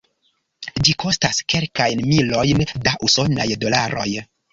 Ĝi kostas kelkajn milojn da usonaj dolaroj.